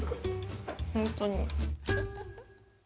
本当に。